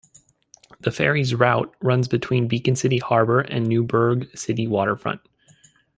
The ferry's route runs between Beacon City Harbor and Newburgh City Waterfront.